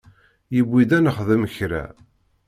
Yewwi-d ad nexdem kra.